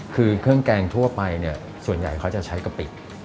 คือเครื่องแกงทั่วไปเนี่ยส่วนใหญ่เขาจะใช้กะปิ